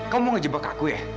kamu mau ngejebak aku ya